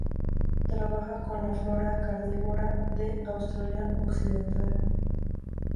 Trabaja con la flora carnívora de Australia Occidental.